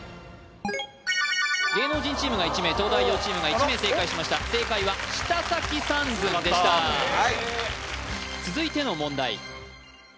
芸能人チームが１名東大王チームが１名正解しました正解は舌先三寸でした続いての問題